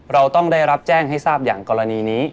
เราต้องได้รับแจ้งให้ทราบอย่างกรณีนี้